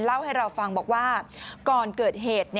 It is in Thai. เล่าให้เราฟังบอกว่าก่อนเกิดเหตุ